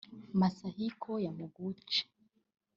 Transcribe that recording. Masahiko Yamaguchi